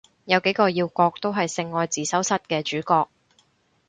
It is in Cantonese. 有幾個要角都係性愛自修室嘅主角